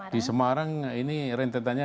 di semarang ini rentetannya